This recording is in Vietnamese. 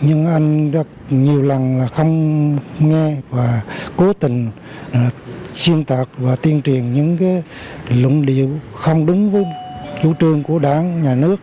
nhưng anh đã nhiều lần không nghe và cố tình xuyên tạc và tiên truyền những lụng điệu không đúng với chủ trương của đảng nhà nước